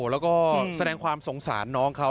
แล้วก็แสดงความสงสารน้องเขา